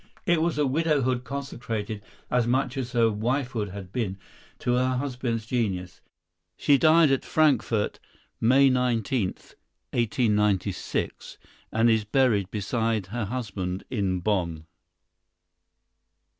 It was a widowhood consecrated, as much as her wifehood had been, to her husband's genius. She died at Frankfort, May 19, 1896, and is buried beside her husband in Bonn.